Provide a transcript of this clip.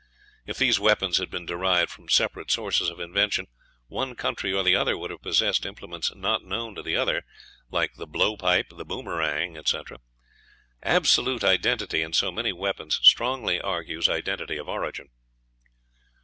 If these weapons had been derived from separate sources of invention, one country or the other would have possessed implements not known to the other, like the blow pipe, the boomerang, etc. Absolute identity in so many weapons strongly argues identity of origin.